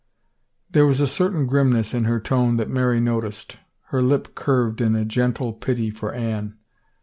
There was a certain grimness in her tone that Mary noticed. Her lip curved in gentle pity for Anne.